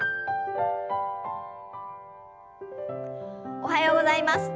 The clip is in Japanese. おはようございます。